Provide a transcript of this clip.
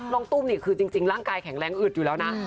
ตุ้มนี่คือจริงร่างกายแข็งแรงอึดอยู่แล้วนะ